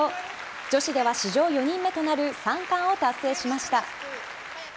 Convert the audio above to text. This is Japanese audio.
女子では史上４人目となる３冠を達成しました。